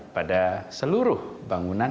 pada seluruh bangunan